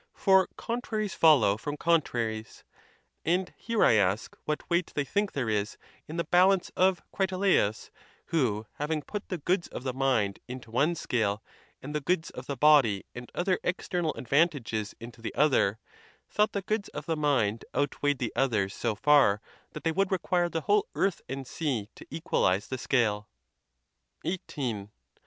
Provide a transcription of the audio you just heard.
° For con traries follow from contraries. And here I ask what weight they think there is in the balance of Critolaus, who having put the goods of the mind into one scale, and the goods of the body and other external advantages into the other, thought the goods of the mind outweighed the oth ers so far that they would require the whole earth and sea to equalize the scale, 182 THE TUSCULAN DISPUTATIONS. _ XVIII.